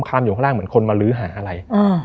ข้ามอยู่ข้างล่างเหมือนคนมาลื้อหาอะไร